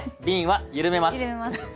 びんはゆるめます。